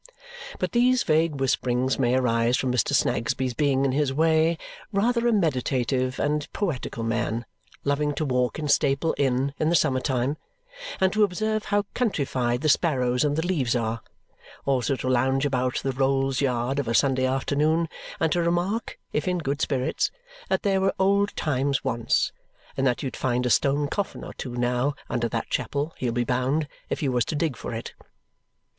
But these vague whisperings may arise from Mr. Snagsby's being in his way rather a meditative and poetical man, loving to walk in Staple Inn in the summer time and to observe how countrified the sparrows and the leaves are, also to lounge about the Rolls Yard of a Sunday afternoon and to remark (if in good spirits) that there were old times once and that you'd find a stone coffin or two now under that chapel, he'll be bound, if you was to dig for it.